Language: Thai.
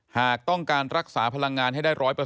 หากต้องการรักษาพลังงานให้ได้๑๐๐